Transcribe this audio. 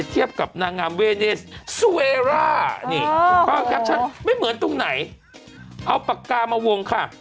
เทียบกับนางามเวเนสสเวร่านี่ไม่เหมือนตรงไหนเอาปากกามาวงค่ะ